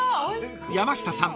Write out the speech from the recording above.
［山下さん